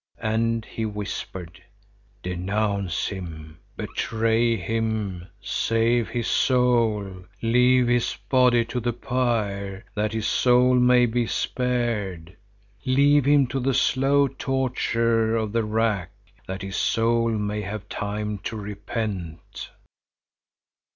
And he whispered: "Denounce him, betray him, save his soul. Leave his body to the pyre, that his soul may be spared. Leave him to the slow torture of the rack, that his soul may have time to repent."